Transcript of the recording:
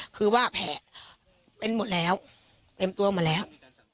คือว่าแผลเป็นหมดแล้วเต็มตัวหมดแล้ว